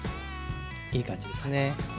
いい感じですね。